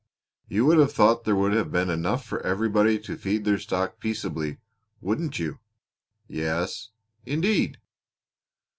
"You would have thought there would have been enough for everybody to feed their stock peaceably, wouldn't you?" "Yes, indeed!"